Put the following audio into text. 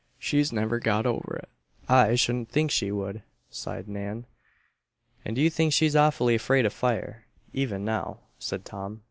She's never got over it." "I shouldn't think she would," sighed Nan. "And you see she's awfully afraid of fire, even now," said Tom.